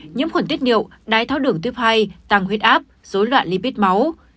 nhiễm khuẩn tiết niệu đái tháo đường tiếp hai tăng huyết áp dối loạn lipid máu